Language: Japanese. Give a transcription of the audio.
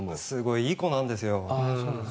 すごいいい子なんですよ。